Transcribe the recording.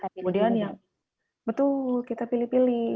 kemudian yang betul kita pilih pilih